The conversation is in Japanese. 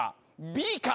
Ｂか？